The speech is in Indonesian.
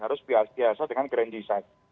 harus biasa dengan grand design